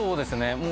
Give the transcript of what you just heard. もう。